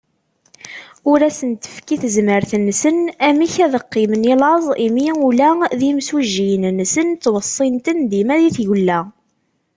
Ur asen-tefki tezmert-nsen amek ad qqimen i laẓ, imi ula d imsujjiyen-nsen ttwessin-ten dima i tgella.